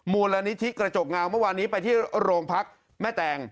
มูลนิธิกระจกเงาเมื่อวานนี้ไปที่โรงพักแม่แตง